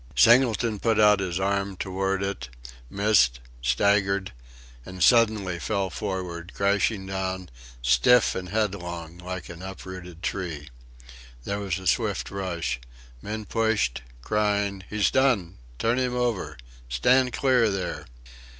Singleton put out his arm towards it, missed, staggered, and suddenly fell forward, crashing down, stiff and headlong like an uprooted tree. There was a swift rush. Men pushed, crying: "He's done!"... "Turn him over!"... "Stand clear there!"